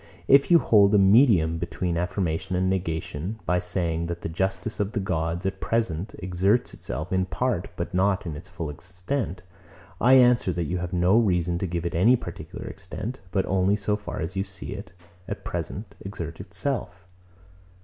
If you hold a medium between affirmation and negation, by saying, that the justice of the gods, at present, exerts itself in part, but not in its full extent; I answer, that you have no reason to give it any particular extent, but only so far as you see it, at present, exert itself.